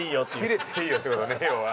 キレていいよって事だね要は。